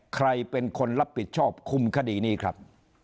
ใครเป็นคนรับผิดชอบคุมคดีนี้ครับ